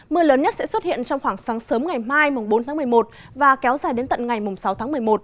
mưa lớn nhất sẽ xuất hiện trong khoảng sáng sớm ngày mai bốn tháng một mươi một và kéo dài đến tận ngày sáu tháng một mươi một